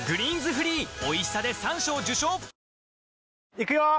いくよ！